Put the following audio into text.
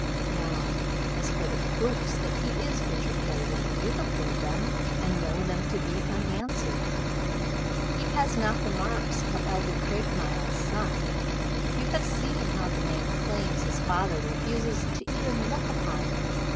"Now, as for the proofs that he is Richard Kildene, you have heard them and know them to be unanswered. He has not the marks of Elder Craigmile's son. You have seen how the man he claims is his father refuses to even look upon him.